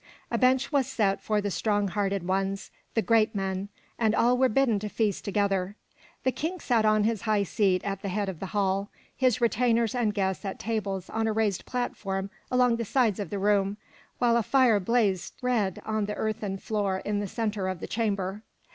A bench was set for the strong hearted ones, the Geat men, and all were bidden to feast together. The King sat on his high seat at the head of the hall, his retainers and guests at tables on a raised platform along the sides of the room, while a fire blazed red on the earthen floor in the centre of the chamber.